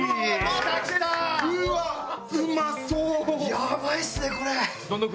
ヤバいっすねこれ。